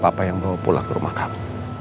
papa yang bawa pulak ke rumah kamu